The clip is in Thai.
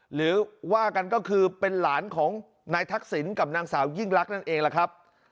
หรือว่ากันก็คือเป็นหลานของนายทักษิณกับนางสาวยิ่งรักนั่นเองล่ะครับ